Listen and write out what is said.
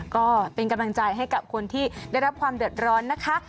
ก็เป็นกำลังใจให้กับคนที่ได้รับความเดือดร้อนนะคะ